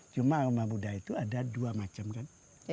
cuma rumah buddha itu ada dua macam kan